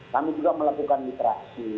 kami juga melakukan literasi